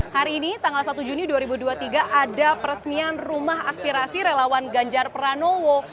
hari ini tanggal satu juni dua ribu dua puluh tiga ada peresmian rumah aspirasi relawan ganjar pranowo